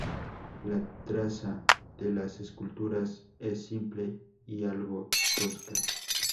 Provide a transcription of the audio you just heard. La traza de las esculturas es simple y algo tosca.